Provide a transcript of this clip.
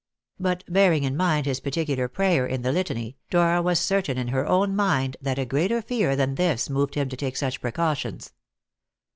But, bearing in mind his particular prayer in the Litany, Dora was certain in her own mind that a greater fear than this moved him to take such precautions.